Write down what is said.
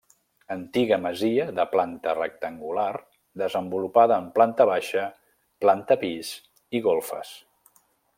Antiga masia de planta rectangular desenvolupada en planta baixa, planta pis i golfes.